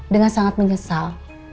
dengan sangat menyesal